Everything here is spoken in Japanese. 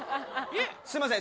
すいません